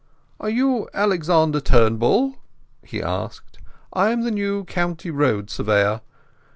"Are you Alexander Turnbull?" he asked. "I am the new County Road Surveyor.